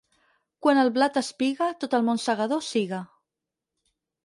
Quan el blat espiga, tot el món segador siga.